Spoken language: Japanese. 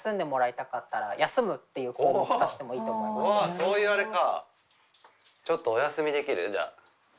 あそういうあれか。